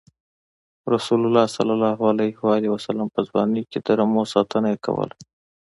رسول الله ﷺ په ځوانۍ کې د رمو ساتنه یې کوله.